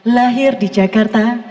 lahir di jakarta